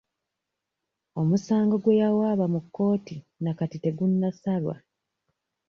Omusango gwe yawaaba mu kkooti na kati tegunnasalwa.